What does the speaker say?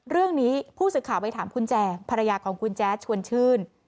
เรื่องนี้ผู้สื่อข่าวไปถามคุณแจงภรรยาของคุณแจ๊ดชวนชื่น